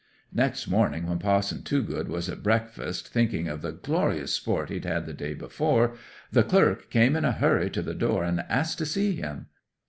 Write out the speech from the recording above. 'Next morning when Pa'son Toogood was at breakfast, thinking of the glorious sport he'd had the day before, the clerk came in a hurry to the door and asked to see him.